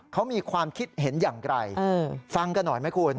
เขามีความคิดเห็นอย่างไรฟังกันหน่อยไหมคุณ